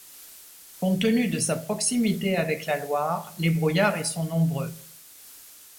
Compte tenu de sa proximité avec la Loire, les brouillards y sont nombreux.